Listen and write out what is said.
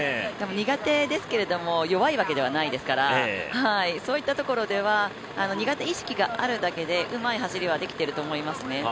苦手ですけれども弱いわけではないですからそういったところでは苦手意識があるだけでうまい走りはできてると思いますね。